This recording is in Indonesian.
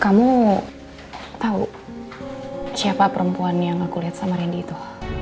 kamu tahu siapa perempuan yang aku lihat sama randy itu